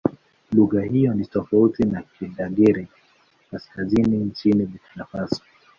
Lugha hiyo ni tofauti na Kidagaare-Kaskazini nchini Burkina Faso.